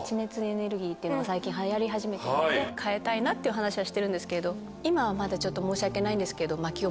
いうのが最近流行り始めてるので変えたいなっていう話はしてるんですけど今はまだちょっと申し訳ないんですけど。